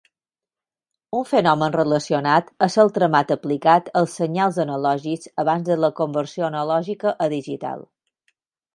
Un fenomen relacionat és el tramat aplicat als senyals analògics abans de la conversió analògica a digital.